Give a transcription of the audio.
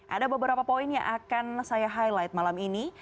ada beberapa poin yang akan saya highlight malam ini